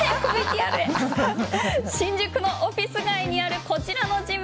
新宿のオフィス街にあるこちらのジム。